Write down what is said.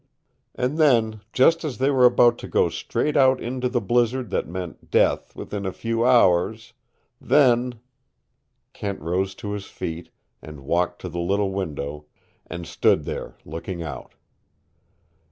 And then, just as they were about to go straight out into the blizzard that meant death within a few hours, then " Kent rose to his feet, and walked to the little window, and stood there, looking out.